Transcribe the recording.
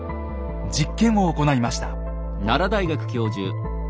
実験を行いました。